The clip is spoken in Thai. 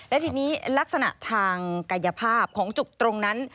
และทีนี้ลักษณะทางกายภาพของจุกตรงนั้น